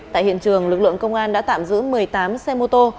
tại hiện trường lực lượng công an đã tạm giữ một mươi tám xe mô tô